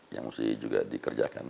yang harus juga dikerjakan